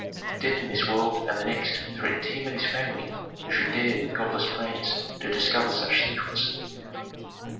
Death in this world and the next threatened him and his family who should dare with godless plans to discover such secrets.